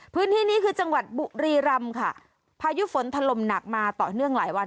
พื้นที่นี้คือจังหวัดบุรีรำค่ะพายุฝนถล่มหนักมาต่อเนื่องหลายวัน